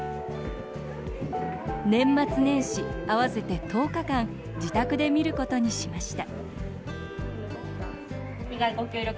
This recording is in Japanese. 年末年始合わせて１０日間自宅で見ることにしました。